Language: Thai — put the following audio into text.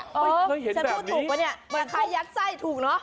เฮ้ยเพื่อนกลับตากัน